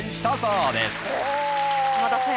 浜田さん